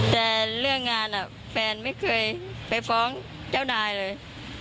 แต่เรื่องงานแฟนไม่เคยไปฟ้องเจ้านายเลย